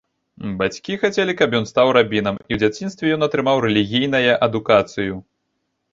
Бацькі хацелі, каб ён стаў рабінам, і ў дзяцінстве ён атрымаў рэлігійнае адукацыю.